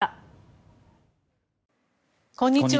こんにちは。